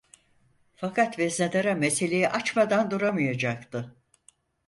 Fakat veznedara meseleyi açmadan duramayacaktı.